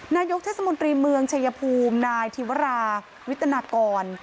นายกเทศมนตรีเมืองชายภูมินายธิวราวิตนากร